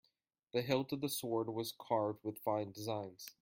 The hilt of the sword was carved with fine designs.